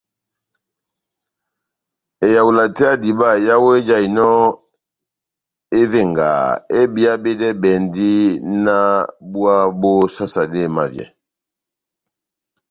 Ehawula tɛ́h ya diba yawu ejahinɔ evengaha ebiyedɛbɛndi náh búwa bó sasade emavyɛ.